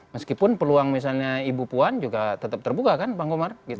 meskipun peluang misalnya ibu puan juga tetap terbuka kan bang komar